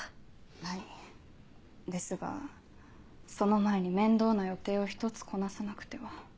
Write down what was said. はいですがその前に面倒な予定を１つこなさなくては。